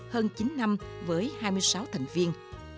hơn chín năm với hai mươi sáu thành viên